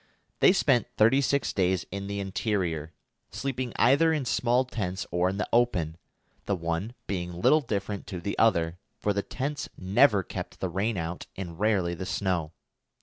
They spent thirty six days in the interior, sleeping either in small tents or in the open, the one being little different to the other, for the tents never kept the rain out and rarely the snow.